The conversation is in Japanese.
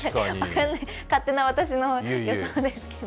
勝手な私の予想ですけど。